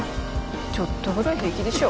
ちょっとぐらい平気でしょ？